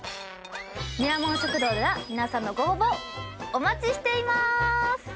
ミラモン食堂では皆さんのご応募お待ちしています！